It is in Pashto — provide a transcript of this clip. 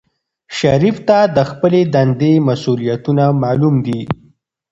شریف ته د خپلې دندې مسؤولیتونه معلوم دي.